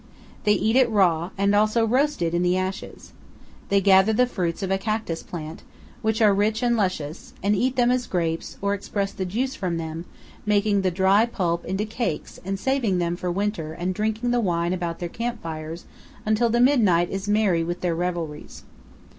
They eat it raw and also roast it in the ashes. They gather the fruits of a cactus plant, which are rich and luscious, and eat them as grapes or express the juice from them, making the dry pulp into cakes and saving them for winter and drinking the wine about their camp fires until the midnight is merry with their revelries.